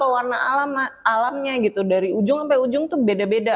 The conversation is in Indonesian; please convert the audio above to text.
warna alamnya gitu dari ujung sampai ujung itu beda beda